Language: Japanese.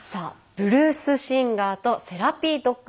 ブルースシンガーとセラピードッグ。